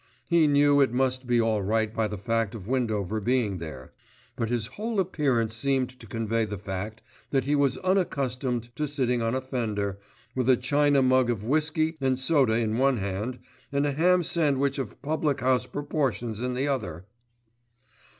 He knew it must be all right by the fact of Windover being there; but his whole appearance seemed to convey the fact that he was unaccustomed to sitting on a fender with a china mug of whisky and soda in one hand, and a ham sandwich of public house proportions in the other.